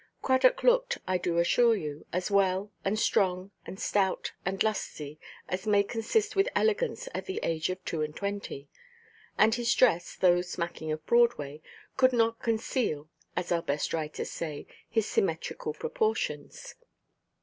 Cradock looked, I do assure you, as well, and strong, and stout, and lusty, as may consist with elegance at the age of two–and–twenty. And his dress, though smacking of Broadway, "could not conceal," as our best writers say, "his symmetrical proportions."